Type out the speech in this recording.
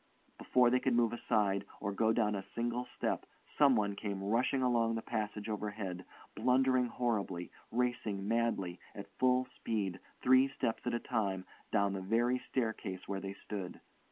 Before they could move aside, or go down a single step, someone came rushing along the passage overhead, blundering horribly, racing madly, at full speed, three steps at a time, down the very staircase where they stood.